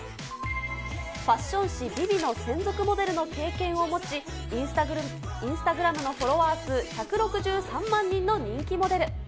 ファッション誌、ＶｉＶｉの専属モデルの経験を持ち、インスタグラムのフォロワー数１６３万人の人気モデル。